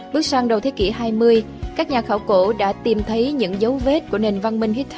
bước sang đầu thế kỷ hai mươi các nhà khảo cổ đã tìm thấy những dấu vết của nền văn minh hitti